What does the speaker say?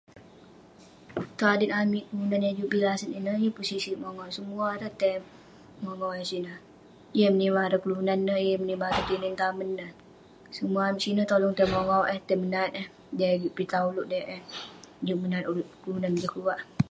Tong adet amik kelunan yah eh juk bi laset ineh, yeng pun sik sik mongau..semua ireh tai mongau eh sineh, yeng menimah ireh kelunan neh, yeng menimah ireh tinen tamen neh, semua amik sineh tolong tai mongau eh tai nat eh, m'dey eh pitah ulouk, m'dey eh juk menat ulouk kelunan kah keluwak..